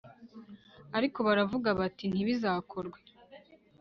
ariko baravuga bati ntibizakorwe